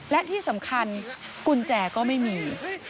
และที่สำคัญกุญแจก็ไม่มี